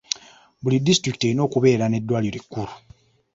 Buli disitulikiti erina okubeera n'eddwaliro ekkulu.